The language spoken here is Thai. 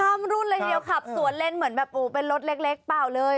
รุ่นเลยทีเดียวขับสวนเล่นเหมือนแบบโอ้เป็นรถเล็กเปล่าเลย